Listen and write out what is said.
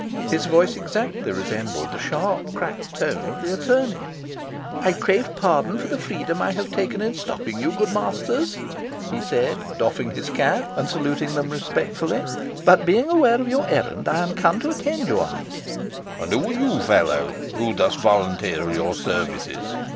His voice exactly resembled the sharp cracked tones of the attorney. "I crave pardon for the freedom I have taken in stopping you, good masters," he said, doffing his cap, and saluting them respectfully; "but, being aware of your errand, I am come to attend you on it." "And who are you, fellow, who thus volunteer your services?"